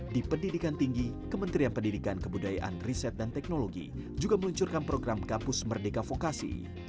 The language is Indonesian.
di pendidikan tinggi kementerian pendidikan kebudayaan riset dan teknologi juga meluncurkan program kampus merdeka vokasi